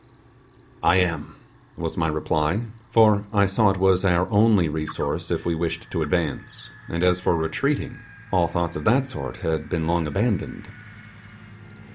'I am,' was my reply; for I saw it was our only resource if we wished to advance, and as for retreating, all thoughts of that sort had been long abandoned.